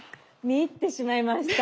見入ってしまいました。